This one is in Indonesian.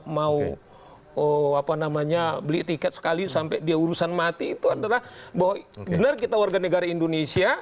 mau beli tiket sekali sampai dia urusan mati itu adalah bahwa benar kita warga negara indonesia